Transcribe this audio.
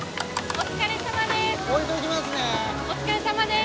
お疲れさまです。